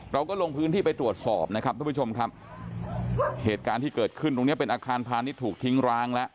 เราก็ลงพื้นที่ไปตรวจสอบนะครับทุกผู้ชมครับเหตุการณ์ที่เกิดขึ้นตรงเนี้ยเป็นอาคารพาณิชย์ถูกทิ้งร้างแล้ว